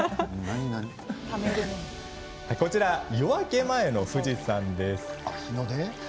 こちらは夜明け前の富士山です。